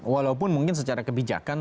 walaupun mungkin secara kebijakan